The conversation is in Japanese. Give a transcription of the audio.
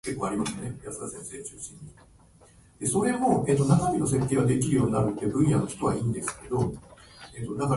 夜の帳ちやうにささめき尽きし星の今を下界げかいの人の髪のほつれよ